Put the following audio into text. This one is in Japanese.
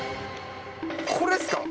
これっすか？